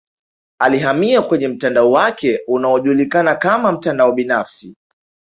Alihamia kwenye mtandao wake unaojulikana kama mtandao binafsi